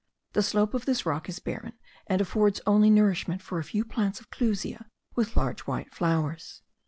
The slope of this rock is barren, and affords only nourishment for a few plants of clusia with large white flowers.